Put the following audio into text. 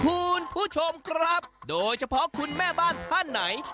คุณผู้ชมครับโดยเฉพาะคุณแม่บ้านท่านไหน